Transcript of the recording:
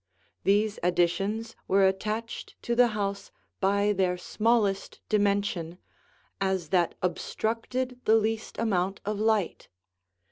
These additions were attached to the house by their smallest dimension, as that obstructed the least amount of light.